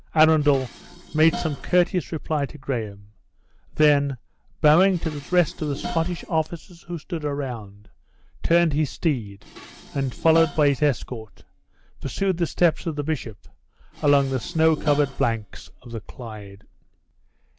Arundel made some courteous reply to Graham; then, bowing to the rest of the Scottish officers who stood around, turned his steed, and followed by his escort, pursued the steps of the bishop along the snow covered banks of the Clyde.